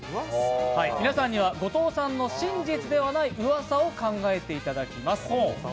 皆さんには後藤さんの「真実ではない私の噂」を考えていただきます。